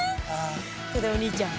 ただお兄ちゃん。